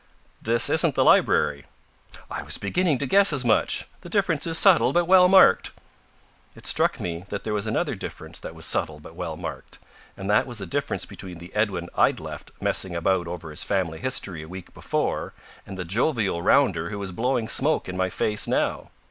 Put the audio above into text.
"This isn't the library." "I was beginning to guess as much. The difference is subtle but well marked." It struck me that there was another difference that was subtle but well marked, and that was the difference between the Edwin I'd left messing about over his family history a week before and the jovial rounder who was blowing smoke in my face now.